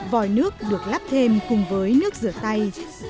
vòi nước được lắp thêm cùng với nước rửa tay